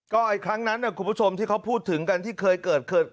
ก็ไอ้ครั้งนั้นคุณผู้ชมที่เขาพูดถึงกันที่เคยเกิดขึ้น